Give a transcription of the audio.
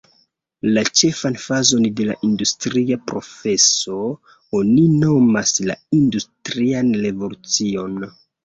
La ĉefan fazon de la industria progreso oni nomas la industrian revolucion.